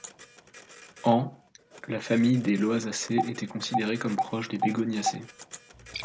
En la famille des Loasacées était considérée comme proche des Begoniacées.